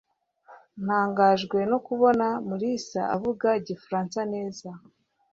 Natangajwe no kubona Mulisa avuga Igifaransa neza.